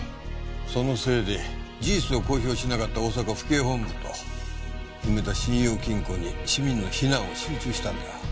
そのせいで事実を公表しなかった大阪府警本部と梅田信用金庫に市民の非難は集中したんだ。